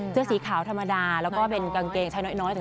เสื้อสีขาวธรรมดาแล้วก็เป็นกางเกงชายน้อย